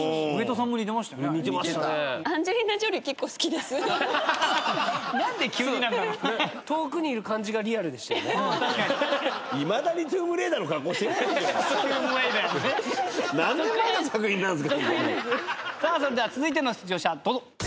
さあそれでは続いての出場者どうぞ。